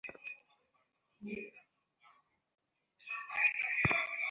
তোমার সাথে কথা বলছি না, জো।